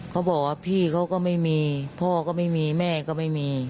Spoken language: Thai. เขาบอกว่าพี่เขาก็ไม่มีพ่อก็ไม่มีแม่ก็ไม่มี